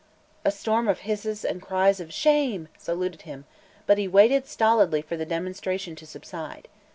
A storm of hisses and cries of "Shame!" saluted him, but he waited stolidly for the demonstration to subside.